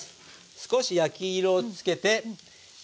少し焼き色をつけて焼きます。